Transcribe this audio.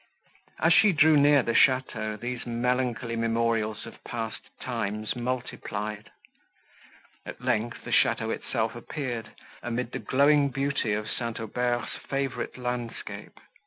As she drew near the château, these melancholy memorials of past times multiplied. At length, the château itself appeared, amid the glowing beauty of St. Aubert's favourite landscape.